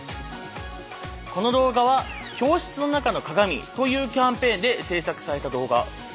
この動画は「教室の中の鏡」というキャンペーンで制作された動画。